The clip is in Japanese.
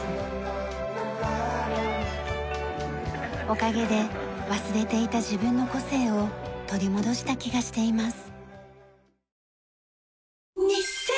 おかげで忘れていた自分の個性を取り戻した気がしています。